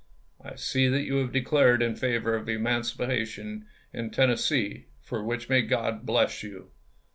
I see that you have declared in favor of emancipation in Ten nessee, for which may God bless you.